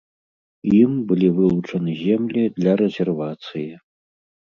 Ім былі вылучаны землі для рэзервацыі.